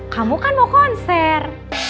kamu kan mau konser